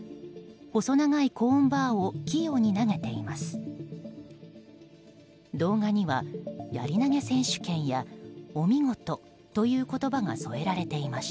細長いコーンバーを器用に投げています。